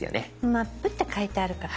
「マップ」って書いてあるから大丈夫です。